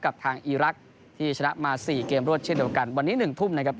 กับทางอีรักษ์ที่ชนะมา๔เกมรวดเช่นเดียวกันวันนี้๑ทุ่มนะครับ